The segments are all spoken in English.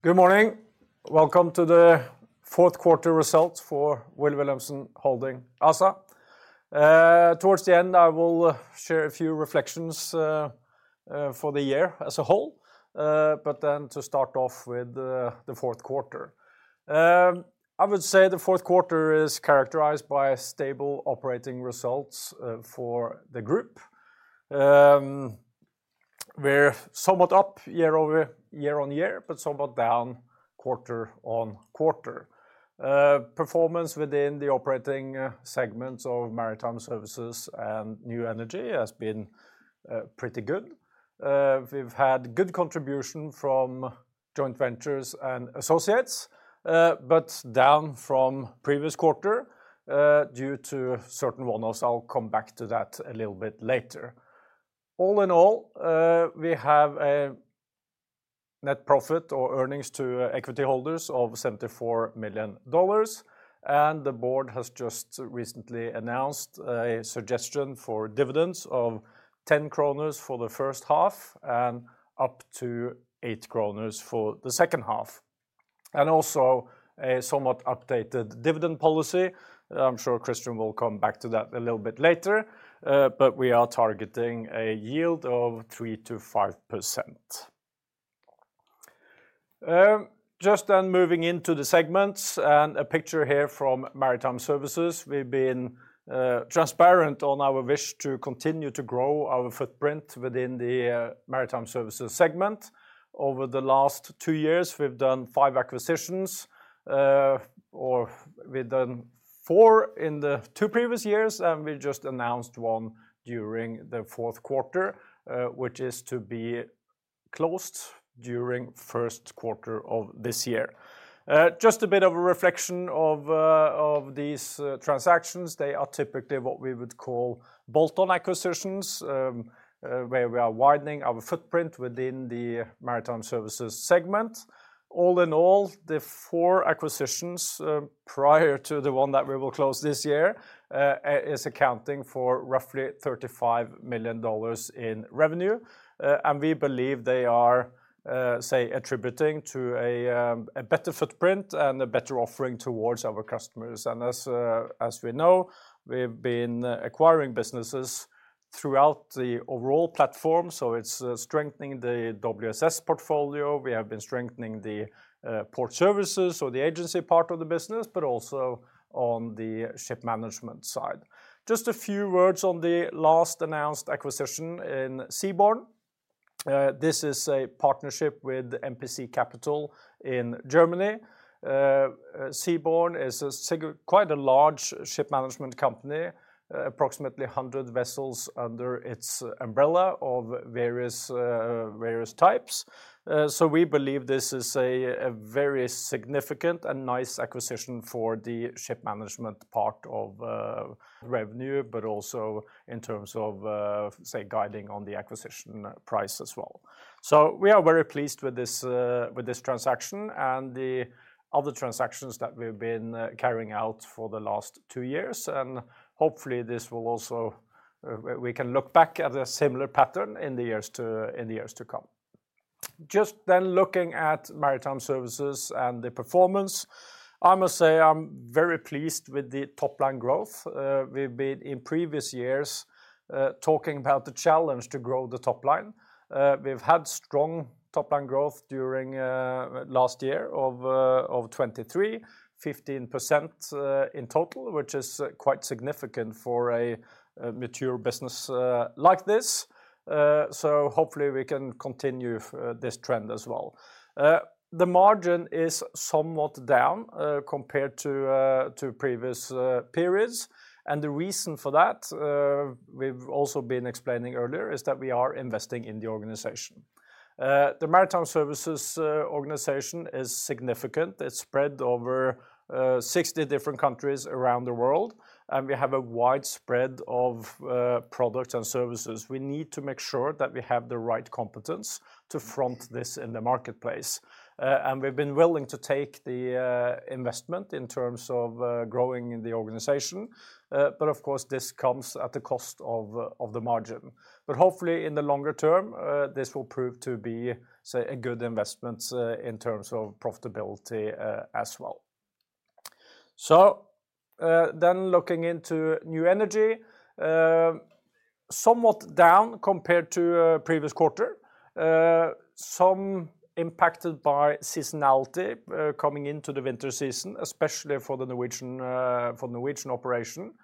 Good morning. Welcome to the Q4 results for Wilh. Wilhelmsen Holding ASA. Towards the end I will share a few reflections for the year as a whole, but then to start off with the Q4. I would say the Q4 is characterized by stable operating results for the group. We're somewhat up year-over-year, but somewhat down quarter-on-quarter. Performance within the operating segments of maritime services and new energy has been pretty good. We've had good contribution from joint ventures and associates, but down from previous quarter due to certain one-offs. I'll come back to that a little bit later. All in all, we have a net profit or earnings to equity holders of $74 million, and the board has just recently announced a suggestion for dividends of 10 kroner for the first half and up to 8 kroner for the second half. Also, a somewhat updated dividend policy. I'm sure Christian will come back to that a little bit later, but we are targeting a yield of 3%-5%. Just then moving into the segments, and a picture here from Maritime Services. We've been transparent on our wish to continue to grow our footprint within the Maritime Services segment. Over the last two years we've done five acquisitions, or we've done four in the two previous years, and we just announced one during the Q4, which is to be closed during the Q1 of this year. Just a bit of a reflection of these transactions. They are typically what we would call bolt-on acquisitions, where we are widening our footprint within the Maritime Services segment. All in all, the 4 acquisitions, prior to the one that we will close this year, is accounting for roughly $35 million in revenue, and we believe they are, say, attributing to a, a better footprint and a better offering towards our customers. As, as we know, we've been acquiring businesses throughout the overall platform, so it's strengthening the WSS portfolio. We have been strengthening the port services, so the agency part of the business, but also on the ship management side. Just a few words on the last announced acquisition in Zeaborn. This is a partnership with MPC Capital in Germany. Zeaborn is quite a large ship management company, approximately 100 vessels under its umbrella of various, various types. We believe this is a very significant and nice acquisition for the ship management part of revenue, but also in terms of, say, guiding on the acquisition price as well. We are very pleased with this, with this transaction and the other transactions that we've been carrying out for the last two years, and hopefully this will also we can look back at a similar pattern in the years to come. Just then looking at Maritime Services and the performance, I must say I'm very pleased with the top-line growth. We've been in previous years talking about the challenge to grow the top line. We've had strong top-line growth during last year of 2023, 15%, in total, which is quite significant for a mature business like this. Hopefully we can continue this trend as well. The margin is somewhat down, compared to previous periods, and the reason for that, we've also been explaining earlier, is that we are investing in the organization. The Maritime Services organization is significant. It's spread over 60 different countries around the world, and we have a widespread of products and services. We need to make sure that we have the right competence to front this in the marketplace, and we've been willing to take the investment in terms of growing in the organization, but of course this comes at the cost of the margin. But hopefully, in the longer term, this will prove to be, say, a good investment, in terms of profitability, as well. So, then looking into New Energy, somewhat down compared to previous quarter. Some impacted by seasonality, coming into the winter season, especially for the Norwegian operation.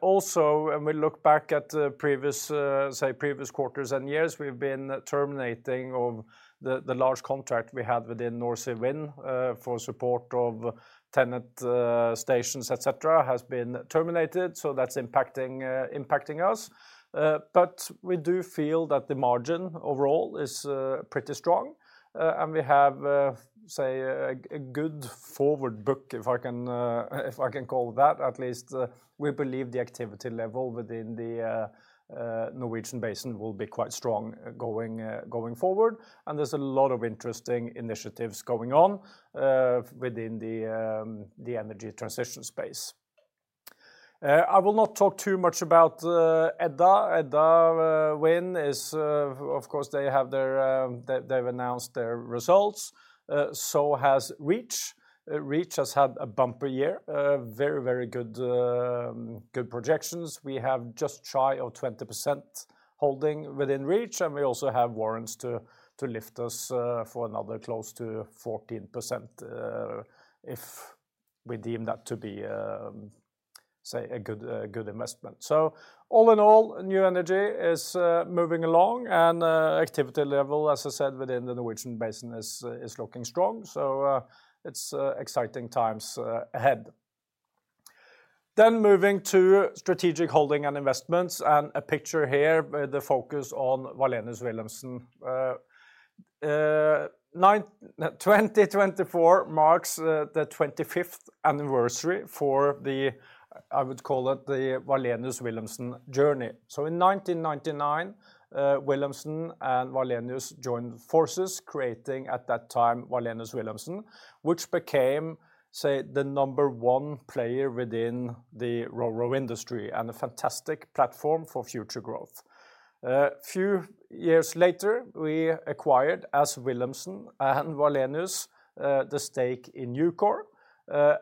Also, when we look back at previous, say, previous quarters and years, we've been terminating of the large contract we had within NorSea Wind for support of TenneT stations, etc., has been terminated, so that's impacting us. But we do feel that the margin overall is pretty strong, and we have, say, a good forward book, if I can call it that, at least. We believe the activity level within the Norwegian Basin will be quite strong going forward, and there's a lot of interesting initiatives going on within the energy transition space. I will not talk too much about Edda Wind. Edda Wind, of course they have their, they've announced their results, so has Reach. Reach has had a bumper year, very good projections. We have just shy of 20% holding within Reach, and we also have warrants to, to lift us, for another close to 14%, if we deem that to be, say, a good, good investment. So, all in all, new energy is moving along, and activity level, as I said, within the Norwegian Basin is looking strong, so it's exciting times ahead. Then moving to strategic holding and investments, and a picture here with the focus on Wallenius Wilhelmsen. 2024 marks the 25th anniversary for the, I would call it, the Wallenius Wilhelmsen journey. So, in 1999, Wilhelmsen and Wallenius joined forces, creating at that time Wallenius Wilhelmsen, which became, say, the number one player within the ro-ro industry and a fantastic platform for future growth. A few years later we acquired, as Wilhelmsen and Wallenius, the stake in EUKOR,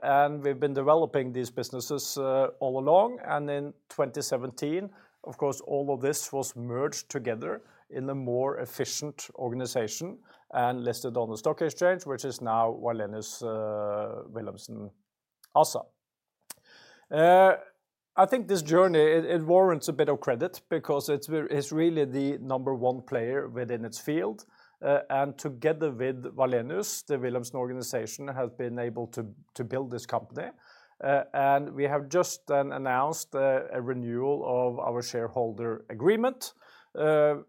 and we've been developing these businesses all along, and in 2017, of course, all of this was merged together in a more efficient organization and listed on the stock exchange, which is now Wallenius Wilhelmsen ASA. I think this journey warrants a bit of credit because it's really the number one player within its field, and together with Wallenius, the Wilhelmsen organization has been able to build this company, and we have just announced a renewal of our shareholder agreement,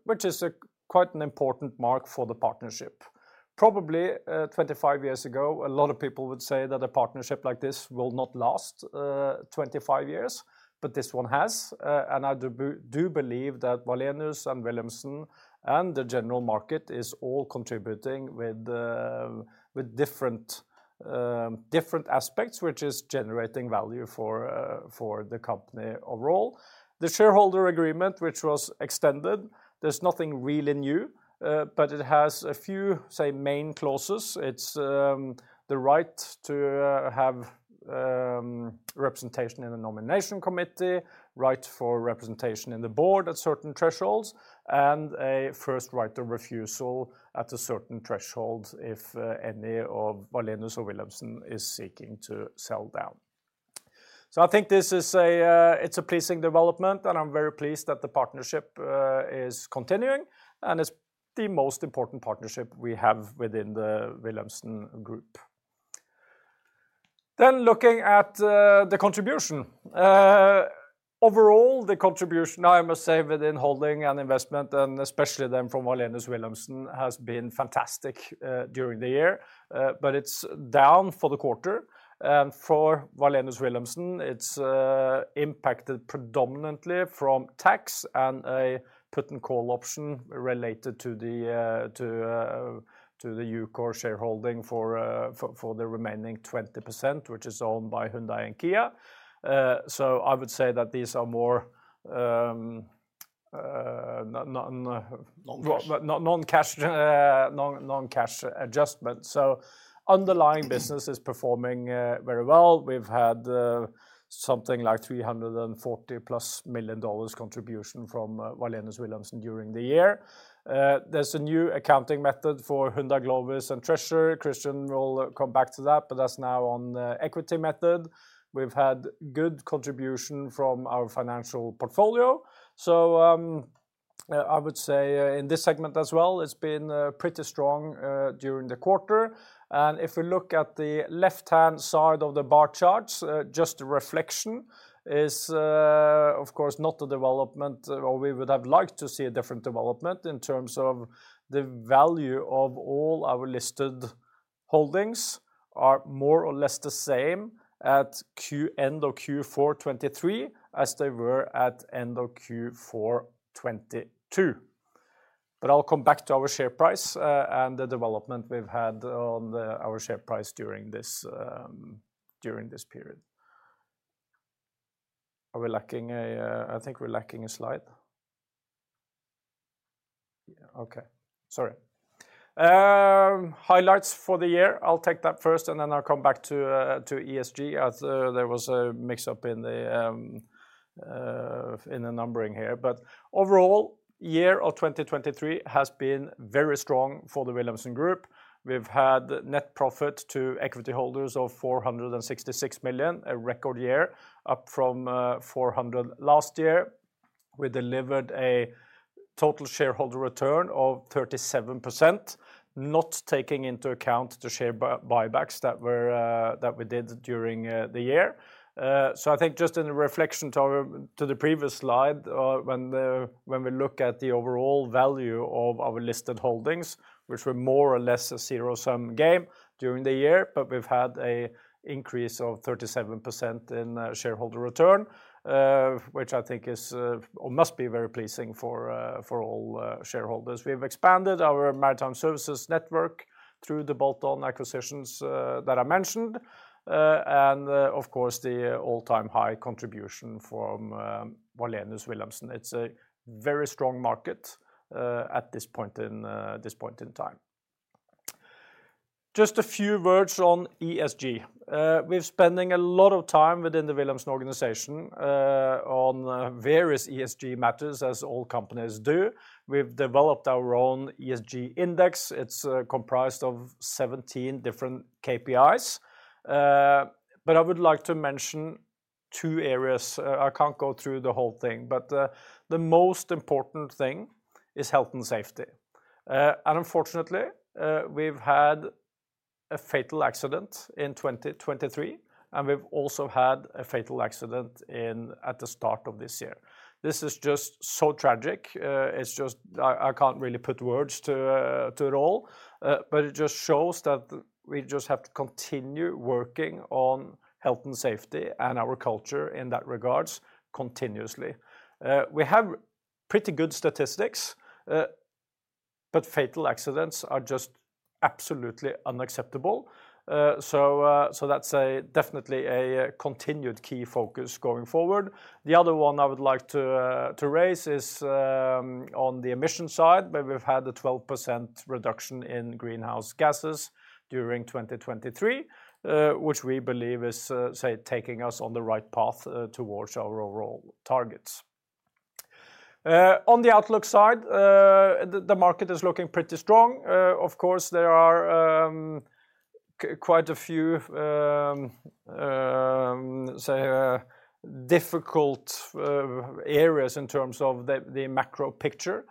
which is quite an important mark for the partnership. Probably, 25 years ago, a lot of people would say that a partnership like this will not last, 25 years, but this one has, and I do believe that Wallenius and Wilhelmsen and the general market is all contributing with different aspects, which is generating value for the company overall. The shareholder agreement, which was extended, there's nothing really new, but it has a few, say, main clauses. It's the right to have representation in a nomination committee, right for representation in the board at certain thresholds, and a first right of refusal at a certain threshold if any of Wallenius or Wilhelmsen is seeking to sell down. So, I think this is a pleasing development, and I'm very pleased that the partnership is continuing, and it's the most important partnership we have within the Wilhelmsen Group. Then, looking at the contribution. Overall, the contribution, I must say, within holding and investment, and especially then from Wallenius Wilhelmsen, has been fantastic during the year, but it's down for the quarter. For Wallenius Wilhelmsen, it's impacted predominantly from tax and a put-and-call option related to the, to, to the EUKOR shareholding for, for the remaining 20%, which is owned by Hyundai and Kia. So, I would say that these are more non-cash adjustments. Underlying business is performing very well. We've had something like $340+ million contribution from Wallenius Wilhelmsen during the year. There's a new accounting method for Hyundai Glovis and Treasure. Christian will come back to that, but that's now on the equity method. We've had good contribution from our financial portfolio. So, I would say in this segment as well, it's been pretty strong during the quarter. If we look at the left-hand side of the bar charts, just a reflection is, of course, not a development or we would have liked to see a different development, in terms of the value of all our listed holdings are more or less the same at Q3 and the of Q4 2023 as they were at end of Q4 2022. I'll come back to our share price, and the development we've had on our share price during this, during this period. Are we lacking a, I think we're lacking a slide. Yeah, okay. Sorry. Highlights for the year. I'll take that first, and then I'll come back to, to ESG, as there was a mix-up in the, in the numbering here. Overall, year of 2023 has been very strong for the Wilhelmsen Group. We've had net profit to equity holders of $466 million, a record year, up from $400 million last year. We delivered a total shareholder return of 37%, not taking into account the share buybacks that we did during the year. I think just in reflection to the previous slide, when we look at the overall value of our listed holdings, which were more or less a zero-sum game during the year, but we've had an increase of 37% in shareholder return, which I think is or must be very pleasing for all shareholders. We've expanded our maritime services network through the bolt-on acquisitions that I mentioned, and of course, the all-time high contribution from Wallenius Wilhelmsen. It's a very strong market at this point in time. Just a few words on ESG. We've been spending a lot of time within the Wilhelmsen organization, on various ESG matters, as all companies do. We've developed our own ESG index. It's comprised of 17 different KPIs. But I would like to mention two areas. I can't go through the whole thing, but the most important thing is health and safety. And unfortunately, we've had a fatal accident in 2023, and we've also had a fatal accident at the start of this year. This is just so tragic. It's just I can't really put words to it all, but it just shows that we just have to continue working on health and safety and our culture in that regards, continuously. We have pretty good statistics, but fatal accidents are just absolutely unacceptable. So that's definitely a continued key focus going forward. The other one I would like to, to raise is, on the emission side, where we've had a 12% reduction in greenhouse gases during 2023, which we believe is, say, taking us on the right path towards our overall targets. On the outlook side, the market is looking pretty strong. Of course, there are, quite a few, say, difficult, areas in terms of the macro picture,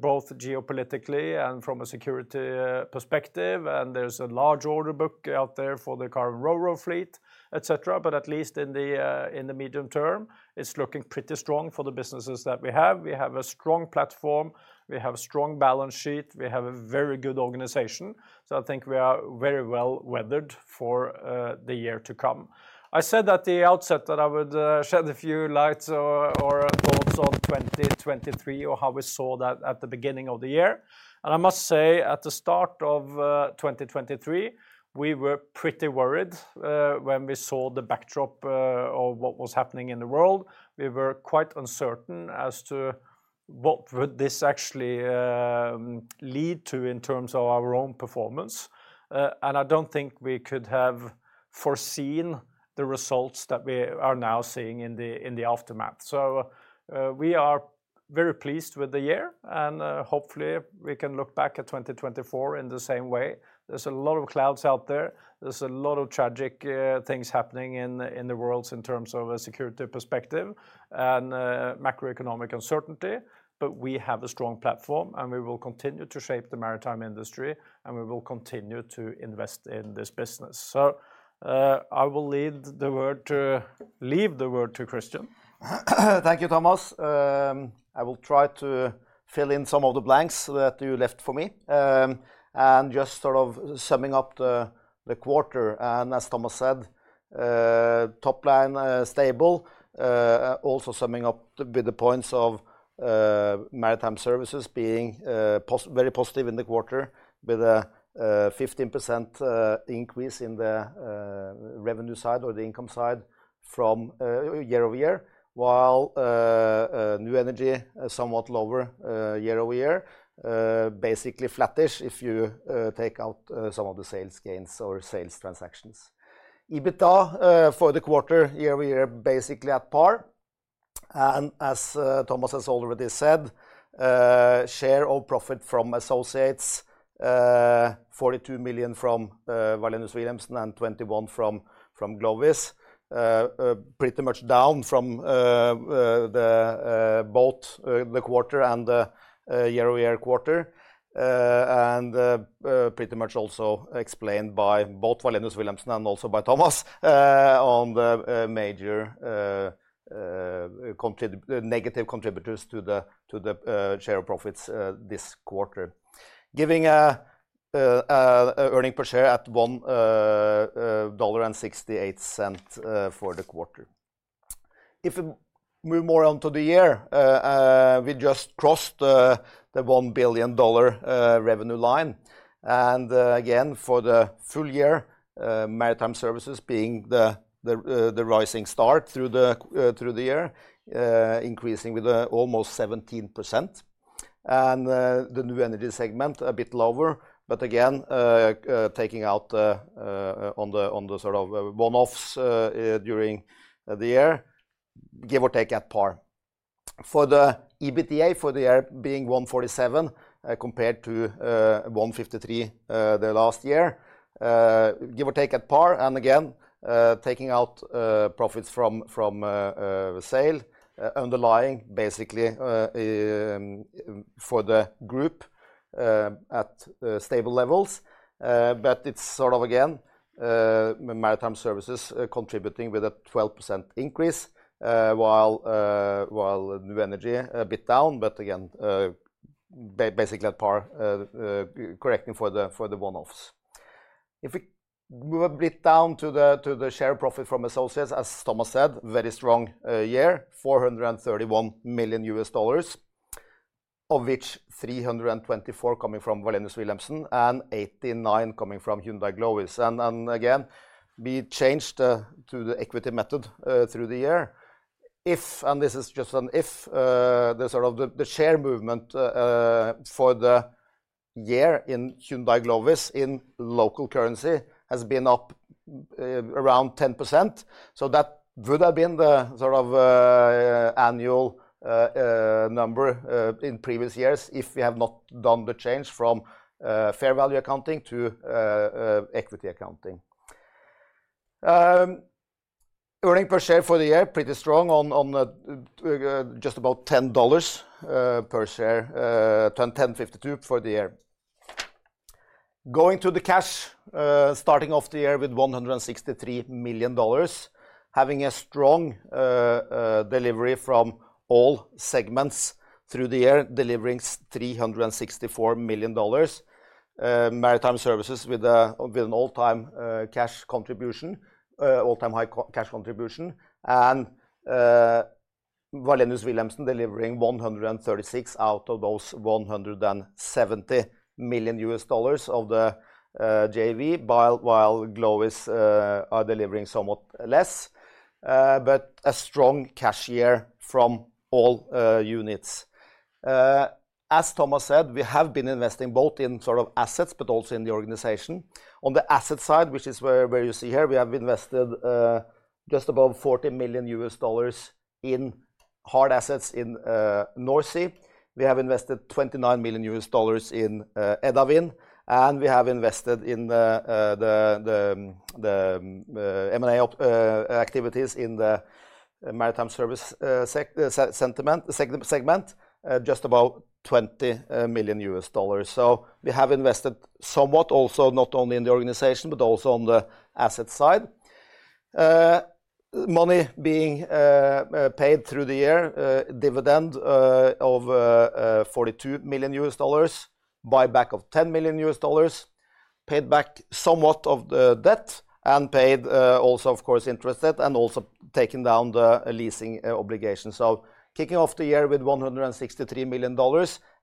both geopolitically and from a security perspective, and there's a large order book out there for the car and ro-ro fleet, etc., but at least in the, in the medium term, it's looking pretty strong for the businesses that we have. We have a strong platform. We have a strong balance sheet. We have a very good organization. So, I think we are very well weathered for, the year to come. I said at the outset that I would shed a few lights or thoughts on 2023 or how we saw that at the beginning of the year. I must say, at the start of 2023, we were pretty worried when we saw the backdrop of what was happening in the world. We were quite uncertain as to what this would actually lead to in terms of our own performance. I don't think we could have foreseen the results that we are now seeing in the aftermath. We are very pleased with the year, and hopefully, we can look back at 2024 in the same way. There's a lot of clouds out there. There's a lot of tragic things happening in the world in terms of a security perspective and macroeconomic uncertainty, but we have a strong platform, and we will continue to shape the maritime industry, and we will continue to invest in this business. So, I will lead the word to leave the word to Christian. Thank you, Thomas. I will try to fill in some of the blanks that you left for me and just sort of summing up the quarter. As Thomas said, top line, stable. Also summing up with the points of maritime services being very positive in the quarter, with a 15% increase in the revenue side or the income side from year-over-year, while new energy somewhat lower year-over-year, basically flattish if you take out some of the sales gains or sales transactions. EBITDA for the quarter year-over-year basically at par. As Thomas has already said, share of profit from associates, $42 million from Wallenius Wilhelmsen and $21 million from Glovis, pretty much down from both the quarter and the year-over-year quarter. And pretty much also explained by both Wallenius Wilhelmsen and also by Thomas on the major negative contributors to the share of profits this quarter. Giving an earnings per share at $1.68 for the quarter. If we move more on to the year, we just crossed the $1 billion revenue line. And again, for the full year, maritime services being the rising star through the year, increasing with almost 17%. And the new energy segment a bit lower, but again, taking out the one-offs during the year, give or take at par. For the EBITDA for the year being $147 compared to $153 the last year, give or take at par. And again, taking out profits from sale. Underlying, basically, for the group at stable levels. But it's sort of, again, Maritime Services contributing with a 12% increase, while New Energy a bit down, but again, basically at par, correcting for the one-offs. If we move a bit down to the share profit from associates, as Thomas said, very strong year, $431 million, of which $324 coming from Wallenius Wilhelmsen and $89 coming from Hyundai Glovis. And again, we changed to the equity method through the year. If, and this is just an if, the sort of the share movement for the year in Hyundai Glovis in local currency has been up around 10%. So, that would have been the sort of annual number in previous years if we have not done the change from fair value accounting to equity accounting. Earnings per share for the year, pretty strong on just about $10 per share, $10.52 for the year. Going to the cash, starting off the year with $163 million, having a strong delivery from all segments through the year, delivering $364 million. Maritime Services with an all-time cash contribution, all-time high cash contribution, and Wallenius Wilhelmsen delivering $136 out of those $170 million of the JV, while Glovis are delivering somewhat less. But a strong cash year from all units. As Thomas said, we have been investing both in sort of assets, but also in the organization. On the asset side, which is where you see here, we have invested just above $40 million in hard assets in NorSea. We have invested $29 million in Edda Wind. And we have invested in the M&A activities in the maritime service segment just about $20 million. So, we have invested somewhat also, not only in the organization, but also on the asset side. Money being paid through the year, dividend of $42 million, buyback of $10 million, paid back somewhat of the debt, and paid also, of course, interest debt, and also taken down the leasing obligation. So, kicking off the year with $163 million,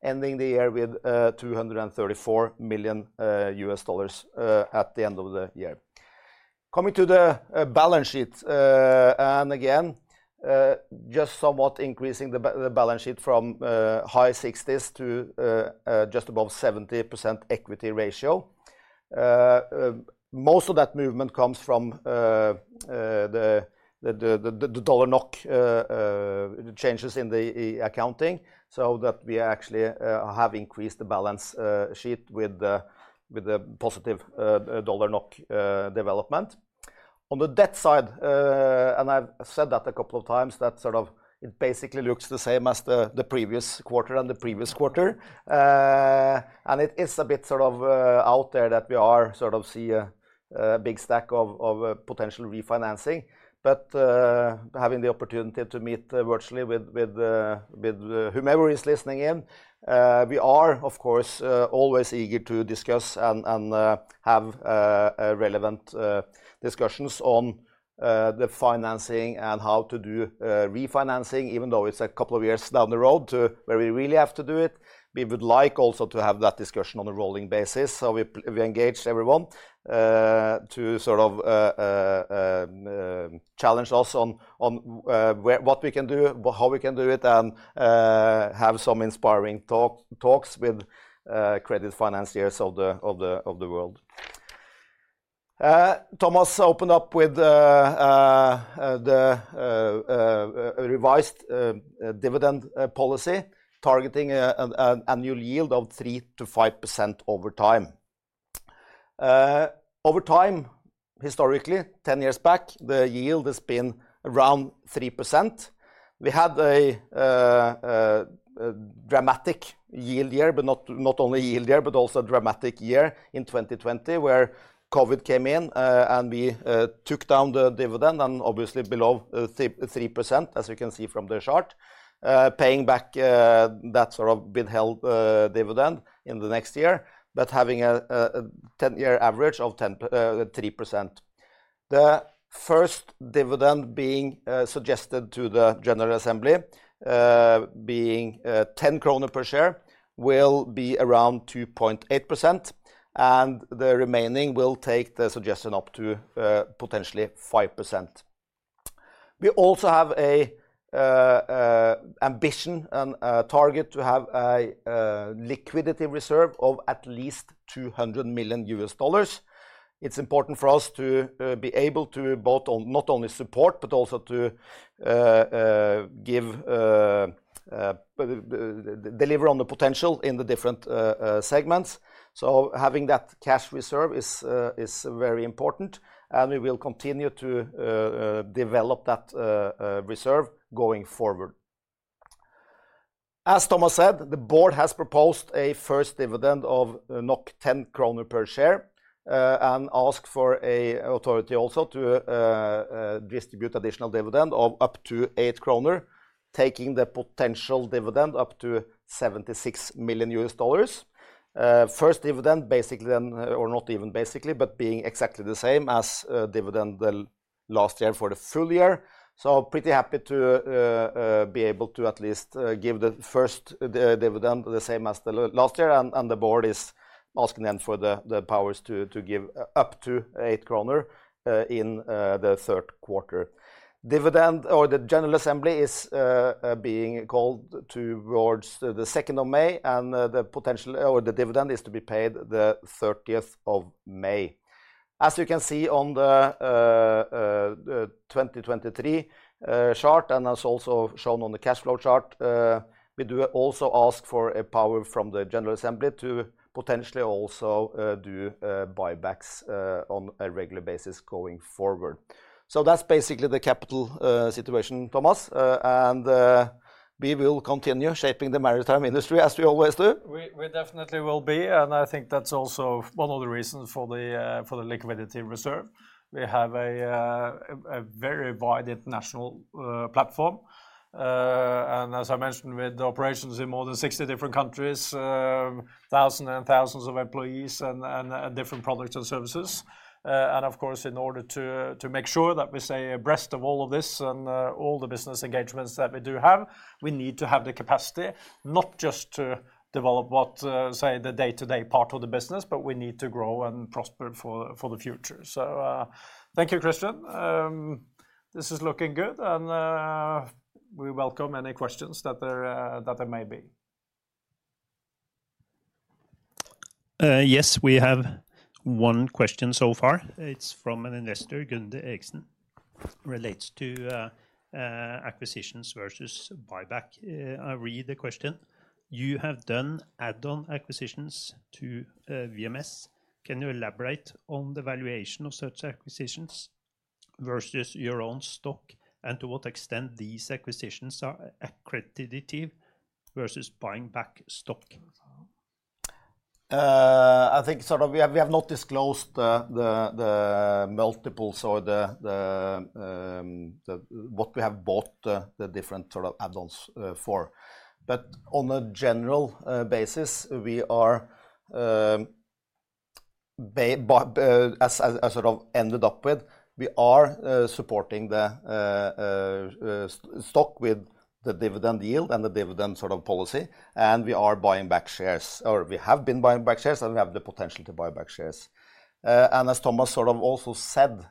ending the year with $234 million at the end of the year. Coming to the balance sheet, and again, just somewhat increasing the balance sheet from high 60s to just above 70% equity ratio. Most of that movement comes from the dollar NOK changes in the accounting, so that we actually have increased the balance sheet with the positive dollar NOK development. On the debt side, and I've said that a couple of times, that sort of it basically looks the same as the previous quarter and the previous quarter. It is a bit sort of out there that we are sort of see a big stack of potential refinancing. But having the opportunity to meet virtually with whomever is listening in, we are, of course, always eager to discuss and have relevant discussions on the financing and how to do refinancing, even though it's a couple of years down the road to where we really have to do it. We would like also to have that discussion on a rolling basis. So, we engage everyone to sort of challenge us on what we can do, how we can do it, and have some inspiring talks with credit financiers of the world. Thomas opened up with the revised dividend policy, targeting an annual yield of 3%-5% over time. Over time, historically, 10 years back, the yield has been around 3%. We had a dramatic yield year, but not only a yield year, but also a dramatic year in 2020, where COVID came in and we took down the dividend and obviously below 3%, as you can see from the chart, paying back that sort of withheld dividend in the next year, but having a 10-year average of 3%. The first dividend being suggested to the General Assembly, being 10 kroner per share, will be around 2.8%. And the remaining will take the suggestion up to potentially 5%. We also have an ambition and target to have a liquidity reserve of at least $200 million. It's important for us to be able to both not only support, but also to give deliver on the potential in the different segments. So, having that cash reserve is very important. And we will continue to develop that reserve going forward. As Thomas said, the board has proposed a first dividend of 10 kroner per share and asked for an authority also to distribute additional dividend of up to 8 kroner, taking the potential dividend up to $76 million. First dividend, basically then or not even basically, but being exactly the same as dividend the last year for the full year. So, pretty happy to be able to at least give the first dividend the same as the last year. And the board is asking then for the powers to give up to 8 kroner in the Q3. The dividend. The General Assembly is being called towards the 2nd of May, and the potential or the dividend is to be paid the 30th of May. As you can see on the 2023 chart and as also shown on the cash flow chart, we do also ask for a power from the General Assembly to potentially also do buybacks on a regular basis going forward. So, that's basically the capital situation, Thomas. And we will continue shaping the maritime industry as we always do. We definitely will be. And I think that's also one of the reasons for the liquidity reserve. We have a very wide international platform. As I mentioned, with operations in more than 60 different countries, thousands and thousands of employees and different products and services. Of course, in order to make sure that we stay abreast of all of this and all the business engagements that we do have, we need to have the capacity not just to develop what, say, the day-to-day part of the business, but we need to grow and prosper for the future. So, thank you, Christian. This is looking good. We welcome any questions that there may be. Yes, we have one question so far. It's from an investor, Gunder Eriksen. It relates to acquisitions versus buyback. I read the question. You have done add-on acquisitions to VMS. Can you elaborate on the valuation of such acquisitions versus your own stock and to what extent these acquisitions are accretive versus buying back stock? I think sort of we have not disclosed the multiples or the what we have bought the different sort of add-ons for. But on a general basis, we are as sort of ended up with, we are supporting the stock with the dividend yield and the dividend sort of policy. And we are buying back shares, or we have been buying back shares, and we have the potential to buy back shares. And as Thomas sort of also said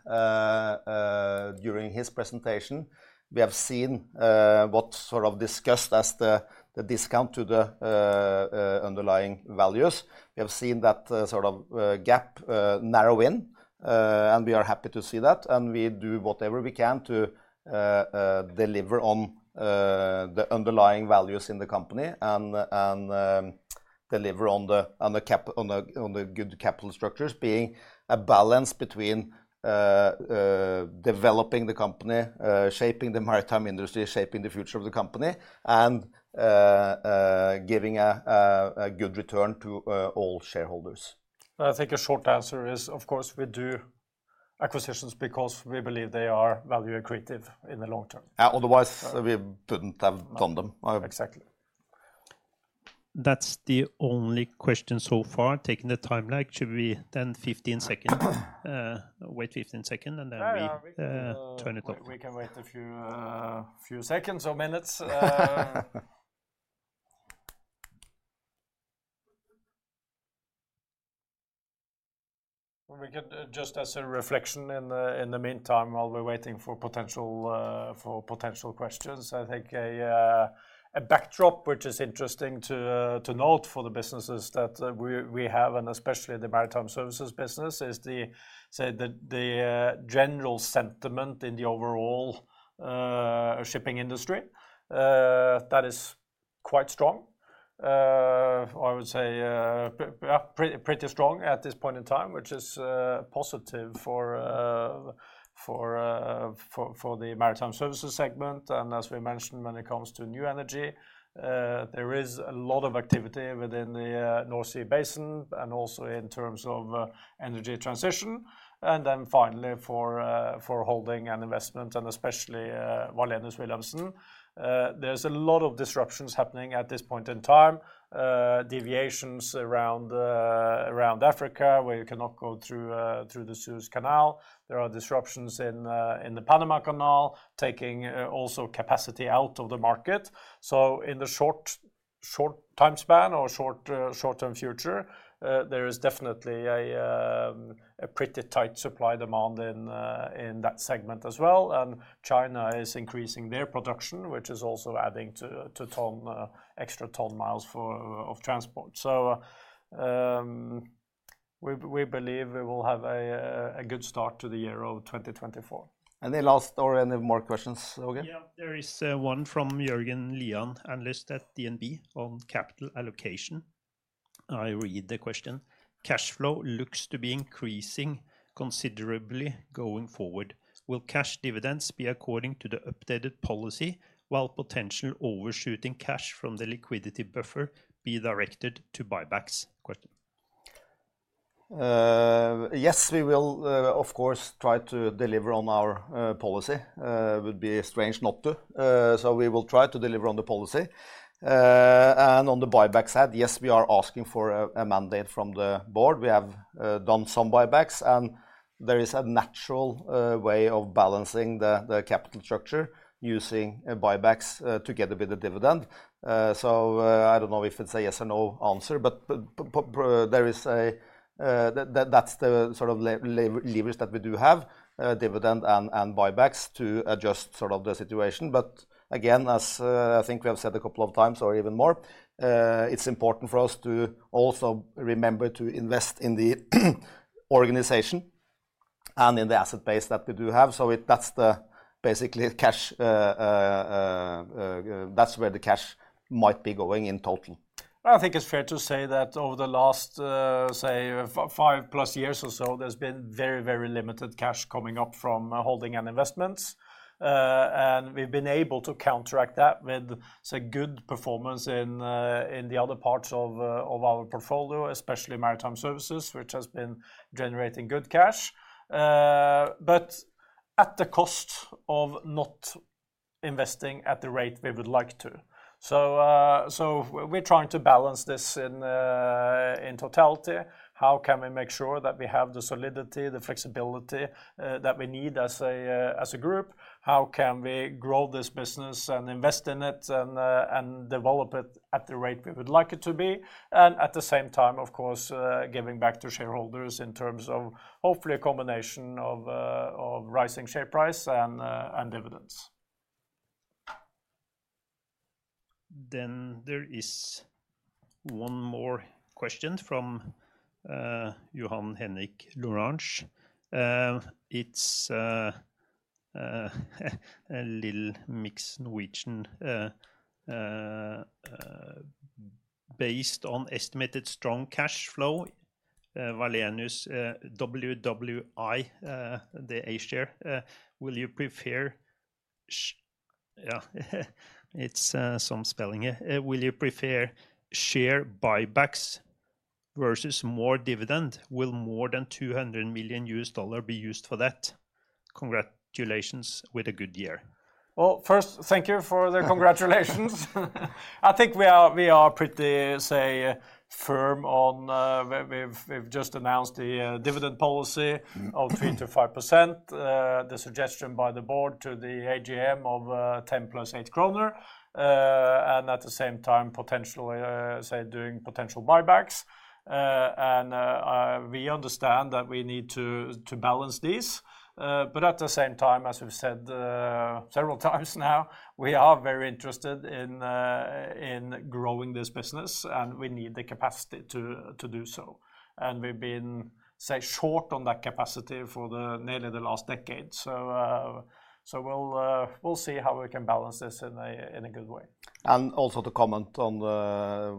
during his presentation, we have seen what sort of discussed as the discount to the underlying values. We have seen that sort of gap narrow in. And we are happy to see that. We do whatever we can to deliver on the underlying values in the company and deliver on the good capital structures, being a balance between developing the company, shaping the maritime industry, shaping the future of the company, and giving a good return to all shareholders. I think a short answer is, of course, we do acquisitions because we believe they are value accretive in the long term. Yeah, otherwise we wouldn't have done them. Exactly. That's the only question so far. Taking the time lag, should we then wait 15 seconds, wait 15 seconds and then we turn it off? We can wait a few seconds or minutes. We could just as a reflection in the meantime while we're waiting for potential questions, I think a backdrop which is interesting to note for the businesses that we have, and especially the Maritime Services business, is, say, the general sentiment in the overall shipping industry. That is quite strong. I would say yeah pretty strong at this point in time, which is positive for the Maritime Services segment. And as we mentioned, when it comes to New Energy, there is a lot of activity within the NorSea Basin and also in terms of energy transition. And then finally, for holding and investment, and especially Wallenius Wilhelmsen, there's a lot of disruptions happening at this point in time. Deviations around Africa, where you cannot go through the Suez Canal. There are disruptions in the Panama Canal, taking also capacity out of the market. So, in the short time span or short-term future, there is definitely a pretty tight supply-demand in that segment as well. And China is increasing their production, which is also adding to extra ton miles for transport. So, we believe we will have a good start to the year of 2024. Any last or any more questions, Åge? Yeah, there is one from Jørgen Lian, analyst at DNB on capital allocation. I read the question. Cash flow looks to be increasing considerably going forward. Will cash dividends be according to the updated policy, while potential overshooting cash from the liquidity buffer be directed to buybacks? Question. Yes, we will, of course, try to deliver on our policy. It would be strange not to. So, we will try to deliver on the policy. And on the buyback side, yes, we are asking for a mandate from the board. We have done some buybacks. And there is a natural way of balancing the capital structure using buybacks together with the dividend. So, I don't know if it's a yes or no answer, but there is a that's the sort of leverage that we do have, dividend and buybacks, to adjust sort of the situation. But again, as I think we have said a couple of times or even more, it's important for us to also remember to invest in the organization and in the asset base that we do have. So, that's the basically cash that's where the cash might be going in total. I think it's fair to say that over the last, say, 5+ years or so, there's been very, very limited cash coming up from holding and investments. And we've been able to counteract that with some good performance in the other parts of our portfolio, especially maritime services, which has been generating good cash. But at the cost of not investing at the rate we would like to. So we're trying to balance this in totality. How can we make sure that we have the solidity, the flexibility that we need as a group? How can we grow this business and invest in it and develop it at the rate we would like it to be? And at the same time, of course, giving back to shareholders in terms of hopefully a combination of rising share price and dividends. Then there is one more question from Johan Henrik L'Orange. It's a little mixed Norwegian based on estimated strong cash flow. Wallenius Wilhelmsen ASA share, will you prefer yeah, it's some spelling here. Will you prefer share buybacks versus more dividend? Will more than $200 million be used for that? Congratulations with a good year. Well, first, thank you for the congratulations. I think we are pretty, say, firm on we've just announced the dividend policy of 3%-5%, the suggestion by the board to the AGM of 10 + 8 kroner. And at the same time, potentially say doing potential buybacks. And we understand that we need to balance these. But at the same time, as we've said several times now, we are very interested in growing this business, and we need the capacity to do so. We've been, say, short on that capacity for nearly the last decade. So, we'll see how we can balance this in a good way. Also, to comment on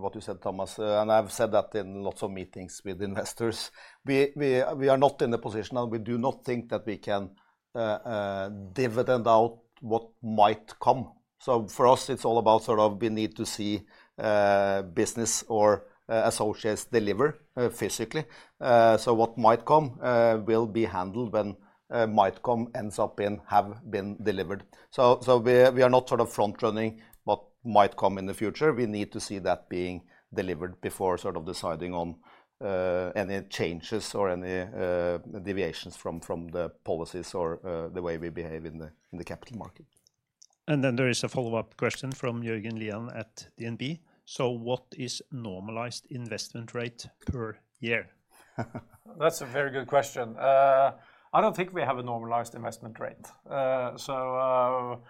what you said, Thomas. I've said that in lots of meetings with investors. We are not in the position, and we do not think that we can dividend out what might come. So, for us, it's all about sort of we need to see business or associates deliver physically. So, what might come will be handled when what might come ends up having been delivered. So, we are not sort of front-running what might come in the future. We need to see that being delivered before sort of deciding on any changes or any deviations from the policies or the way we behave in the capital market. And then there is a follow-up question from Jørgen Lian at DNB. So, what is normalized investment rate per year? That's a very good question. I don't think we have a normalized investment rate. So,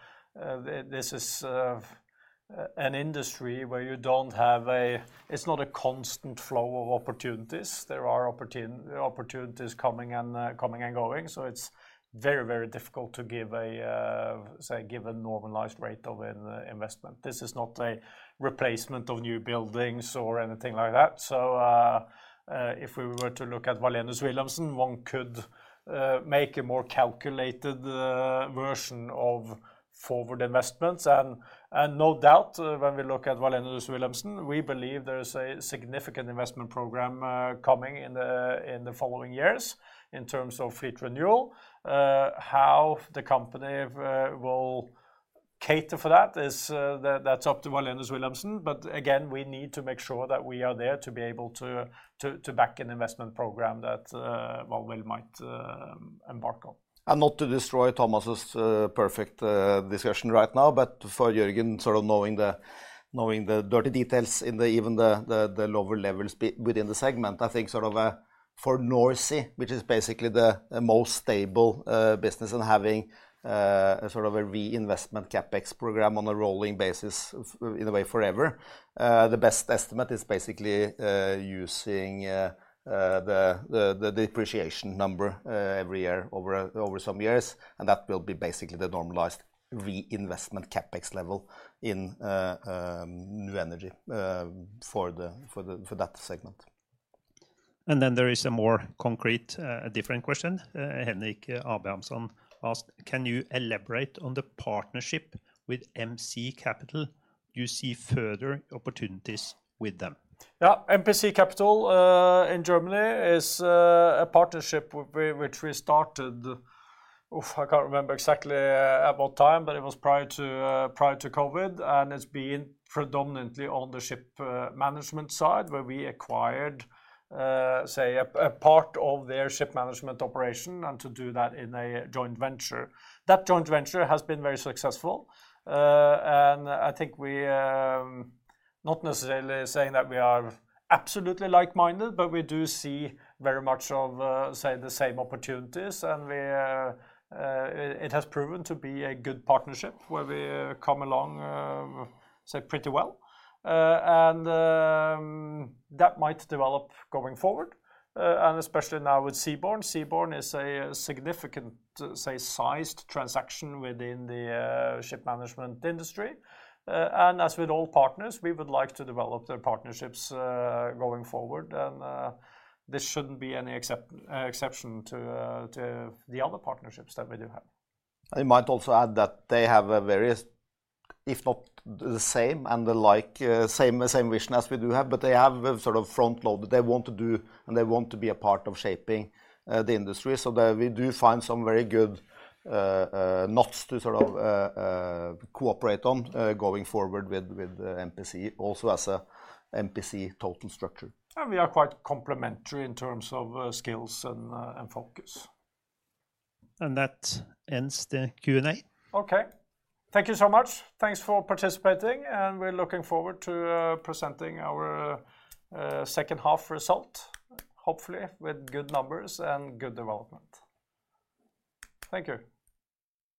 this is an industry where you don't have a, it's not a constant flow of opportunities. There are opportunities coming and coming and going. So, it's very, very difficult to give a normalized rate of investment. This is not a replacement of new buildings or anything like that. So, if we were to look at Wallenius Wilhelmsen, one could make a more calculated version of forward investments. And no doubt, when we look at Wallenius Wilhelmsen, we believe there is a significant investment program coming in the following years in terms of fleet renewal. How the company will cater for that is that's up to Wallenius Wilhelmsen. But again, we need to make sure that we are there to be able to back an investment program that well might embark on. And not to destroy Thomas's perfect discussion right now, but for Jørgen, sort of knowing the dirty details in the even the lower levels within the segment, I think sort of for NorSea, which is basically the most stable business, and having sort of a reinvestment CapEx program on a rolling basis in a way forever, the best estimate is basically using the depreciation number every year over some years. And that will be basically the normalized reinvestment CapEx level in New Energy for that segment. And then there is a more concrete different question. Henrik Abrahamsson asked, can you elaborate on the partnership with MPC Capital? Do you see further opportunities with them? Yeah, MPC Capital in Germany is a partnership which we started, I can't remember exactly at what time, but it was prior to COVID. And it's been predominantly on the ship management side, where we acquired say a part of their ship management operation and to do that in a joint venture. That joint venture has been very successful. And I think we not necessarily saying that we are absolutely like-minded, but we do see very much of say the same opportunities. And we it has proven to be a good partnership where we come along say pretty well. And that might develop going forward, and especially now with Zeaborn. Zeaborn is a significant say sized transaction within the ship management industry. As with all partners, we would like to develop their partnerships going forward. And this shouldn't be any exception to to the other partnerships that we do have. I might also add that they have a various, if not the same and the like, same same vision as we do have, but they have a sort of front load that they want to do and they want to be a part of shaping the industry. So, we do find some very good knots to sort of cooperate on going forward with with MPC, also as an MPC total structure. And we are quite complementary in terms of skills and focus. And that ends the Q&A. Okay. Thank you so much. Thanks for participating. We're looking forward to presenting our second half result, hopefully with good numbers and good development. Thank you.